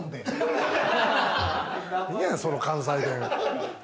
なんやねん、その関西弁。